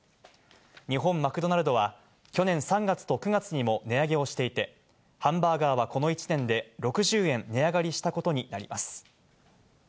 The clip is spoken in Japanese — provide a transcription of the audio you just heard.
日本マクドナルドは去年３月と９月にも値上げをしていて、ハンバーガーはこの１年で６０円値上がりしたことになります。